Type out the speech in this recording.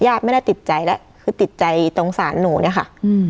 ไม่ได้ติดใจแล้วคือติดใจตรงศาลหนูเนี่ยค่ะอืม